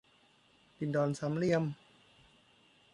ดินดอนสามเหลี่ยม